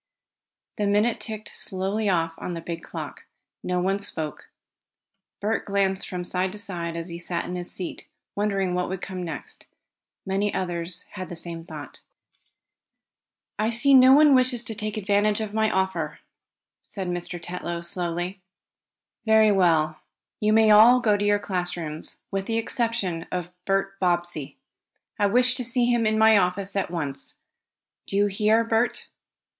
The minute ticked slowly off on the big clock. No one spoke. Bert glanced from side to side as he sat in his seat, wondering what would come next. Many others had the same thought. "I see no one wishes to take advantage of my offer," said Mr. Tetlow slowly. "Very well. You may all go to your class rooms, with the exception of Bert Bobbsey. I wish to see him in my office at once. Do you hear, Bert?"